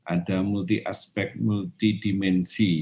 ada multi aspek multi dimensi